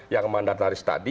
yang mandataris tadi